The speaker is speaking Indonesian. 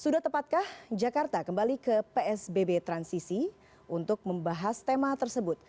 sudah tepatkah jakarta kembali ke psbb transisi untuk membahas tema tersebut